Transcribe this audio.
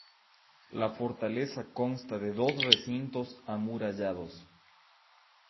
La fortaleza consta de dos recintos amurallados.